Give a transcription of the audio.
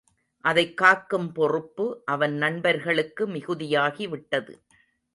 அதைக் காக்கும் பொறுப்பு அவன் நண்பர்களுக்கு மிகுதியாகிவிட்டது.